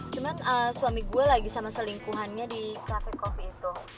cuman suami gue lagi sama selingkuhannya di cafe coffee itu